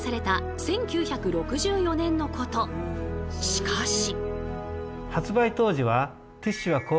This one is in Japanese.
しかし。